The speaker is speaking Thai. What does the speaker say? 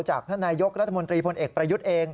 ท่านนายกรัฐมนตรีพลเอกประยุทธ์เอง